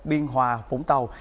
biên hòa vũng tàu